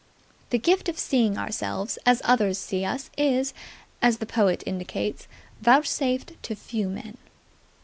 The gift of seeing ourselves as others see us is, as the poet indicates, vouchsafed to few men.